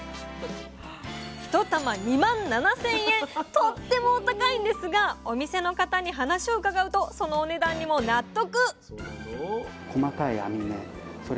とってもお高いんですがお店の方に話を伺うとそのお値段にも納得！